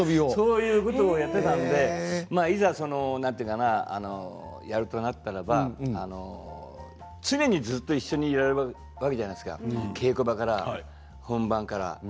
そんな遊びをしていたのでいざやるとなったら常に一緒にいられるわけじゃないですか稽古場から本番から。